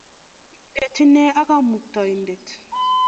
Bo-unindet Ine, ak Kamukta-indet.